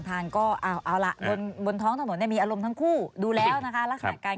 มันมาจอดอย่างนี้ได้ยังไง